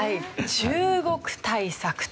中国対策と。